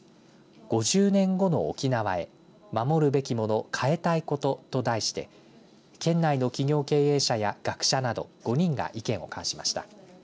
５０年後の沖縄へ守るべきもの変えたいことと題して、県内の企業経営者や学者など５人が意見を交わしました。